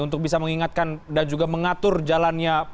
untuk bisa mengingatkan dan juga mengatur jalannya